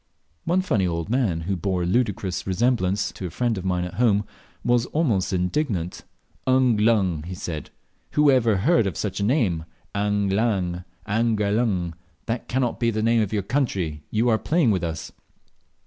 One funny old man, who bore a ludicrous resemblance, to a friend of mine at home, was almost indignant. "Ung lung! "said he, "who ever heard of such a name? ang lang anger lung that can't be the name of your country; you are playing with us."